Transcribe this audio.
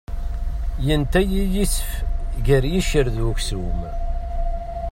Yenta-iyi yisef gar yiccer d uksum.